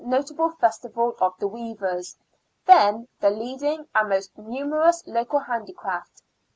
7 notable festival of the weavers, then the leading and most numerous local handicraft.